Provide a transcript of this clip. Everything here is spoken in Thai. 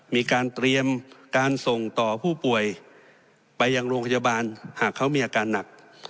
มีการเตรียมการส่งต่อผู้ป่วยไปยังโรงพยาบาลหากเขามีอาการหนัก